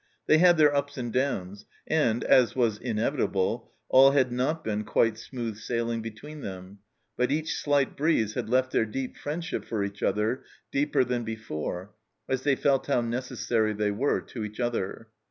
They had their ups and downs, and, as was inevitable, all had not been quite smooth sailing between them, but each slight "breeze" had left their deep friendship for each other deeper than before, as they felt how necessary they were to each other.